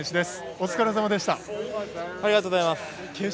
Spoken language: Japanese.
お疲れさまでした。